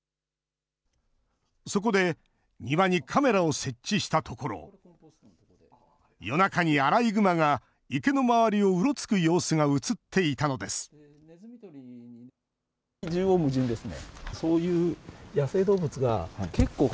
そこで、庭にカメラを設置したところ、夜中にアライグマが池の周りをうろつく様子が写っていたのです。